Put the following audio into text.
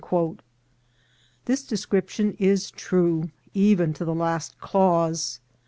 This description is true even to the last clause.